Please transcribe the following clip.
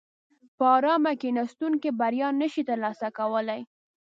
په ارامه کیناستونکي بریا نشي ترلاسه کولای.